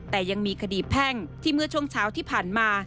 แต่ยังมีคดีแพ่งที่เมื่อช่วงเช้าที่ผ่านมา